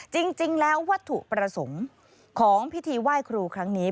จริงแล้ววัตถุประสงค์ของพิธีไหว้ครูครั้งนี้